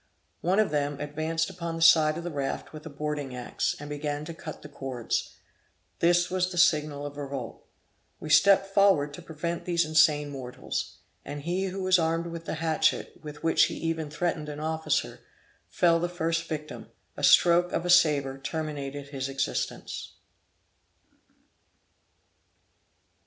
One of them advanced upon the side of the raft with a boarding axe, and began to cut the cords. This was the signal of revolt. We stepped forward to prevent these insane mortals, and he who was armed with the hatchet, with which he even threatened an officer, fell the first victim; a stroke of a sabre terminated his existence.